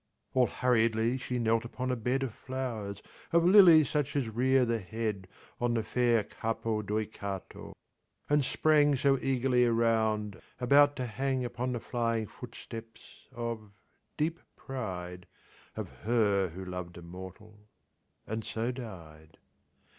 All hurriedly she knelt upon a bed Of flowers: of lilies such as rear'd the head *On the fair Capo Deucato, and sprang So eagerly around about to hang Upon the flying footsteps of—deep pride— Of her who lov'd a mortal—and so died.